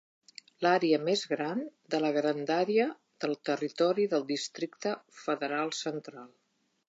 L'àrea més gran, de la grandària del territori del Districte Federal Central.